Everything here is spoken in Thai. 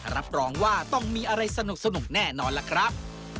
รับรองว่าต้องมีอะไรสนุกแน่นอนล่ะครับ